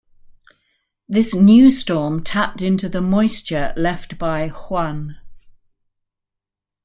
This new storm tapped into the moisture left by Juan.